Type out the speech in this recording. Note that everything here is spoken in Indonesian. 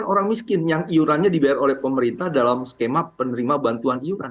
orang miskin yang iurannya dibayar oleh pemerintah dalam skema penerima bantuan iuran